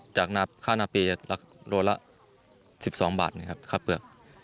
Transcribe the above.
จากข้านาภีร์ลดละ๑๒บาทครับเบือก